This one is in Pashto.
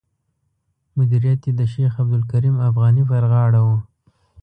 مدیریت یې د شیخ عبدالکریم افغاني پر غاړه و.